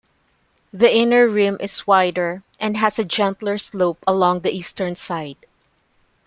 The inner rim is wider and has a gentler slope along the eastern side.